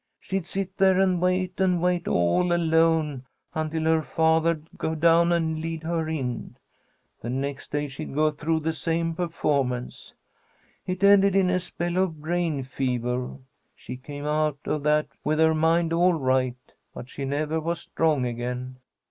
She'd sit there and wait and wait all alone, until her father'd go down and lead her in. The next day she'd go through the same performance. It ended in a spell of brain fever. She came out of that with her mind all right, but she never was strong again.